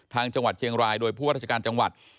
ทางจังหวัดเชียงรายโดยผู้วัชกาลจังหวัด